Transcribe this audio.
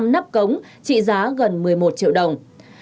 tám nắp cống trị giá gần một mươi một triệu đồng